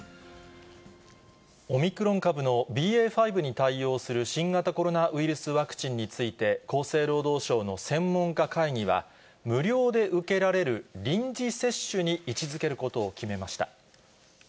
オミクロン株のＢＡ．５に対応する新型コロナウイルスワクチンについて、厚生労働省の専門家会議は、無料で受けられる臨時接種に位置づけることを決めました。